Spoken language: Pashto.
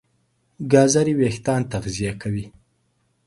ګازرې وېښتيان تغذیه کوي.